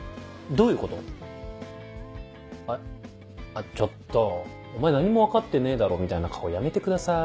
あちょっと「お前何も分かってねえだろ」みたいな顔やめてください。